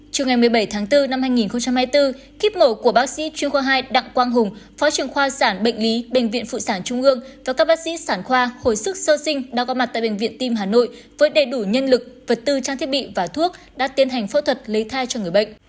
chiều ngày một mươi bảy tháng bốn năm hai nghìn hai mươi bốn kiếp mổ của bác sĩ chuyên khoa hai đặng quang hùng phó trưởng khoa sản bệnh lý bệnh viện phụ sản trung ương và các bác sĩ sản khoa hồi sức sơ sinh đang có mặt tại bệnh viện tim hà nội với đầy đủ nhân lực vật tư trang thiết bị và thuốc đã tiến hành phẫu thuật lấy thai cho người bệnh